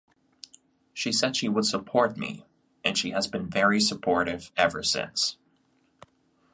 She said she would support me and she has been very supportive ever since.